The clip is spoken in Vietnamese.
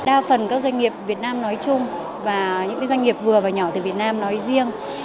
đa phần các doanh nghiệp việt nam nói chung và những doanh nghiệp vừa và nhỏ từ việt nam nói riêng